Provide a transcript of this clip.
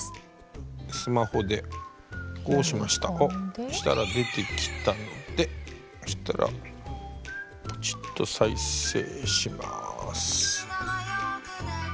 そしたら出てきたのでそしたらポチッと再生します。